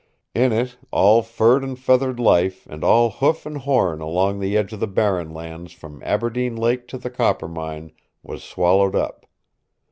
In it, all furred and feathered life and all hoof and horn along the edge of the Barren Lands from Aberdeen Lake to the Coppermine was swallowed up.